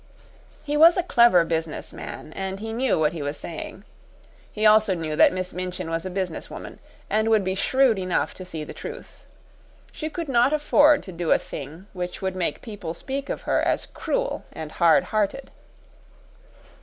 He was a clever business man, and he knew what he was saying. He also knew that Miss Minchin was a business woman, and would be shrewd enough to see the truth. She could not afford to do a thing which would make people speak of her as cruel and hard hearted.